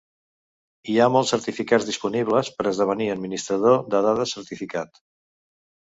Hi ha molts certificats disponibles per esdevenir administrador de dades certificat.